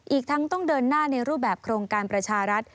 อีกทั้งต้องเดินหน้าในรูปแบบโครงการประชารัฐ